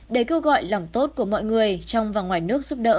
để kêu gọi lòng tốt của mọi người trong và ngoài nước giúp đỡ